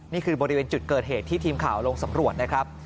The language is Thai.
นี่คือบริเวณจุดเกิดเหตุที่ทีมข่าวลงสำรวจนะครับ